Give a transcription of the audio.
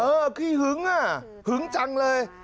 เออขี้หึ้งหึ้งจังเลย